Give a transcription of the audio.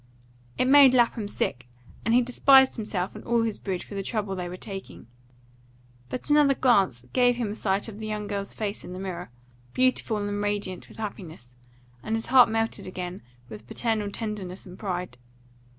It made Lapham sick, and he despised himself and all his brood for the trouble they were taking. But another glance gave him a sight of the young girl's face in the mirror, beautiful and radiant with happiness, and his heart melted again with paternal tenderness and pride.